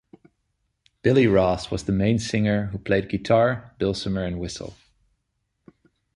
Billy Ross was the main singer who played guitar, dulcimer and whistle.